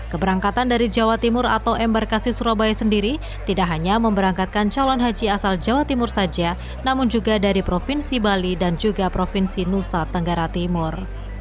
keberangkatan dari jawa timur atau embarkasi surabaya sendiri tidak hanya memberangkatkan calon haji asal jawa timur saja namun juga dari provinsi bali dan juga provinsi nusa tenggara timur